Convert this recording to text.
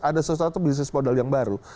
ada sesuatu bisnis modal yang baru